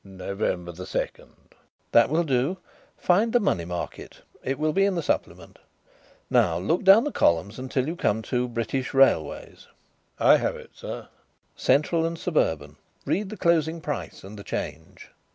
"November the second." "That will do. Find the Money Market; it will be in the Supplement. Now look down the columns until you come to British Railways." "I have it, sir." "Central and Suburban. Read the closing price and the change."